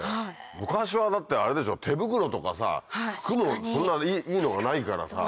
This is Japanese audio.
昔はだってあれでしょ手袋とかさ服もそんないいのがないからさ。